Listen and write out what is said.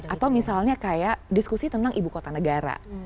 atau misalnya kayak diskusi tentang ibu kota negara